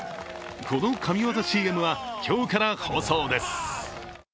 この神業ＣＭは今日から放送です。